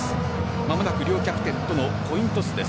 間もなく両キャプテンとのコイントスです。